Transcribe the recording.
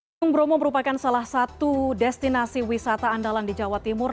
gunung bromo merupakan salah satu destinasi wisata andalan di jawa timur